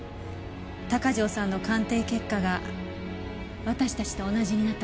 鷹城さんの鑑定結果が私たちと同じになった事が。